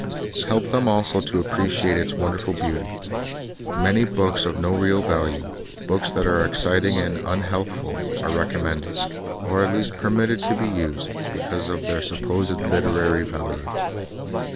Help them also to appreciate its wonderful beauty. Many books of no real value, books that are exciting and unhealthful, are recommended, or at least per mitted to be used, because of their supposed literary value.